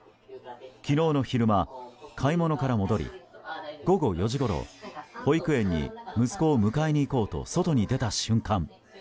昨日の昼間、買い物から戻り午後４時ごろ保育園に息子を迎えに行こうと外に出た瞬間